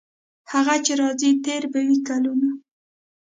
هغه چې راځي تیر به وي کلونه.